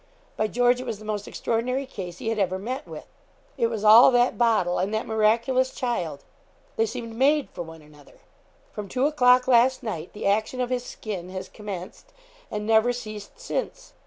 By George, it was the most extraordinary case he had ever met with! It was all that bottle, and that miraculous child; they seemed made for one another. From two o'clock, last night, the action of his skin has commenced, and never ceased since.